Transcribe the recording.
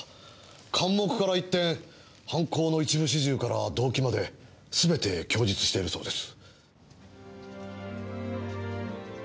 完黙から一転犯行の一部始終から動機まですべて供述しているそうです。